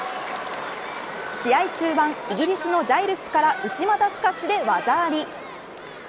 試合中盤、イギリスのジャイルスから内股透かしで技あり。